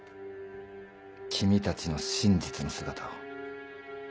君たちの真実の姿を。